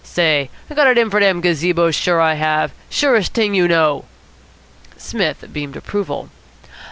Say, I got it in for dem gazebos, sure I have. Surest t'ing you know." Psmith beamed approval.